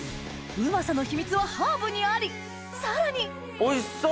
うまさの秘密はハーブにありさらにおいしそう！